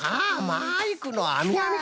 マイクのあみあみか。